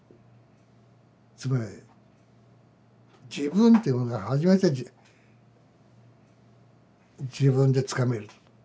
つまり自分ってものが初めて自分でつかめる。